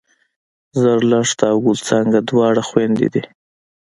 زرلښته او ګل څانګه دواړه خوېندې دي